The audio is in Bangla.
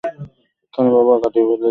খারাপ আবহাওয়া কাটিয়ে ফেলেছি।